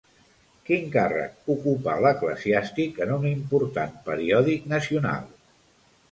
Quin càrrec ocupà l'eclesiàstic en un important periòdic nacional?